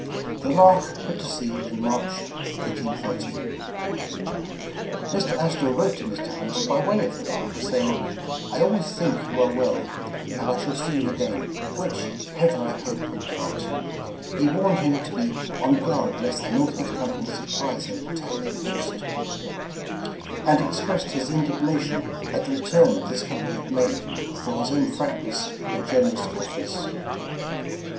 The Lark put to sea in March, 1813. Mr. Astor wrote to Mr. Hunt by way of the Lark, saying :'' I always think you are well, and I shall se? you again, which, heaven I hope will grant." He warned him to be on guard lest the Northwest Com pany surprise and attack the post; and expressed his indignation at the return this company had made for his own frankness and generous offers.